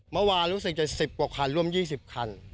เมื่อวานรู้สึกจะ๑๐กว่าคันร่วม๒๐คัน